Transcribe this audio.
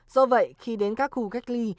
do vậy khi đến các khu cách ly